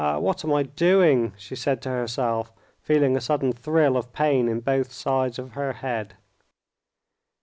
"Ah, what am I doing!" she said to herself, feeling a sudden thrill of pain in both sides of her head.